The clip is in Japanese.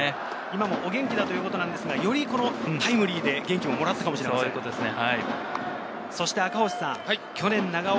今もお元気だということですが、よりタイムリーで元気をもらったかもしれませんね。